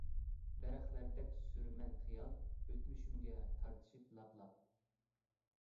دەرەخلەردەك سۈرىمەن خىيال، ئۆتمۈشۈمگە تارتىشىپ لاپ-لاپ.